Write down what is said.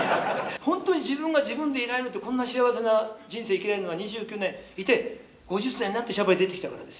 自分が自分でいられるってこんな幸せな人生生きられるのは２９年いて５０歳になって娑婆へ出てきたからですよね。